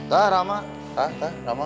hah rama hah hah rama